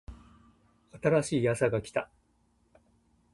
新しいあさが来た